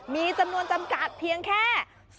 มีจำนวนจำกัดเพียงแค่